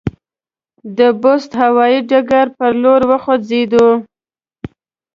د بُست هوایي ډګر پر لور وخوځېدو.